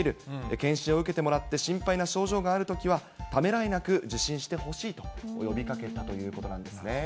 検診を受けてもらって心配な症状があるときは、ためらいなく受診してほしいと呼びかけたということなんですね。